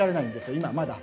今はまだ。